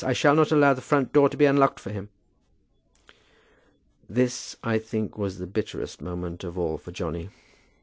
I shall not allow the front door to be unlocked for him." This, I think, was the bitterest moment of all to Johnny.